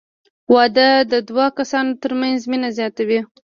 • واده د دوه کسانو تر منځ مینه زیاتوي.